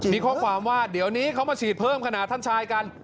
มีข้อความว่าเดี๋ยวนี้เขามาฉีดเพิ่มขนาดท่านชายกัน